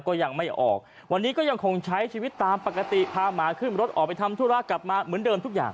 ก็ยังไม่ออกวันนี้ก็ยังคงใช้ชีวิตตามปกติพาหมาขึ้นรถออกไปทำธุระกลับมาเหมือนเดิมทุกอย่าง